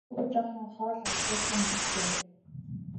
Өөрөө жаахан хоол аялуулан идэж байя!